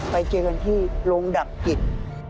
ไปเจอกันที่โรงดับกลิ่น